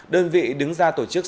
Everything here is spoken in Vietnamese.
đơn vị đứng ra tổ chức